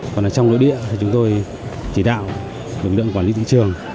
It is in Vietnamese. còn ở trong nội địa thì chúng tôi chỉ đạo lực lượng quản lý thị trường